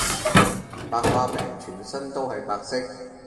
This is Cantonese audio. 白化病全身都係白色